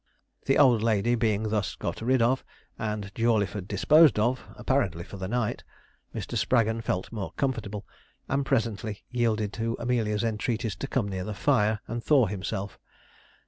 The old lady being thus got rid of, and Jawleyford disposed of apparently for the night Mr. Spraggon felt more comfortable, and presently yielded to Amelia's entreaties to come near the fire and thaw himself.